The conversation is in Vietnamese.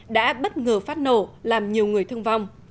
đã bất ngờ phát nổ làm nhiều người thương vong